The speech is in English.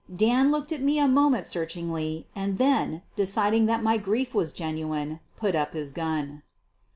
Dan looked at me a moment searchingly and then, deciding that my grief was genuine, put up his gun.